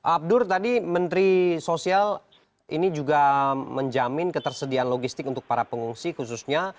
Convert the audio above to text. abdur tadi menteri sosial ini juga menjamin ketersediaan logistik untuk para pengungsi khususnya